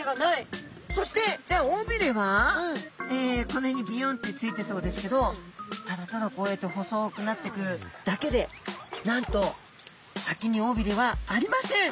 この辺にビヨンってついてそうですけどただただこうやって細くなっていくだけでなんと先におびれはありません。